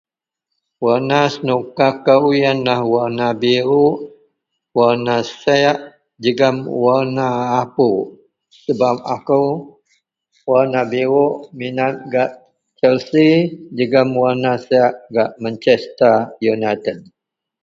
warna senuka kou ienlah warna Biruk, warna sek jegum warna apuk, sebab akou warna biruk minat gak chealse jegum warna sek gak manchester united